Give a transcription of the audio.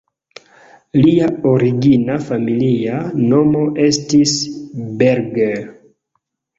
Lia origina familia nomo estis "Berger".